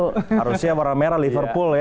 harusnya merah merah liverpool ya